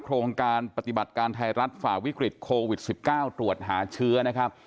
โครงการปฏิบัติการไทยรัฐฝ่าวิกฤตโควิด๑๙ตรวจหาเชื้อนะครับ